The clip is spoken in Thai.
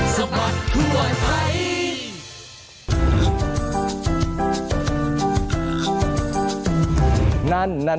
สมัติทั่วไทย